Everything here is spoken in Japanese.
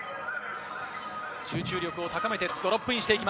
集中力を高めてドロップイン。